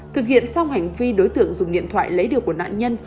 thực hiện xong hành vi đối tượng dùng điện thoại lấy được của nạn nhân